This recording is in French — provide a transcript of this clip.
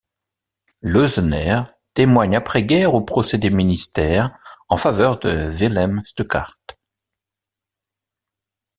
Lösener témoigne après-guerre au Procès des ministères en faveur de Wilhelm Stuckart.